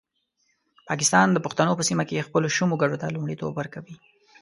پاکستان د پښتنو په سیمه کې خپلو شومو ګټو ته لومړیتوب ورکوي.